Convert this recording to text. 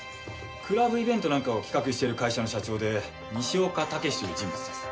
クラブイベントなんかを企画してる会社の社長で西岡毅という人物です。